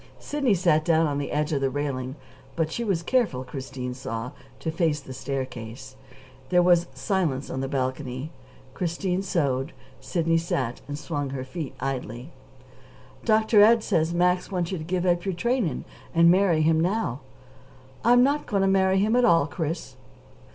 Sidney sat down on the edge of the railing; but she was careful, Christine saw, to face the staircase. There was silence on the balcony. Christine sewed; Sidney sat and swung her feet idly. "Dr. Ed says Max wants you to give up your training and marry him now." "I'm not going to marry him at all, Chris."